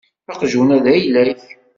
Aqjun-a d ayla-k.